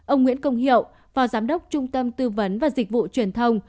ông nguyễn công hiệu phó giám đốc trung tâm tư vấn và dịch vụ truyền thông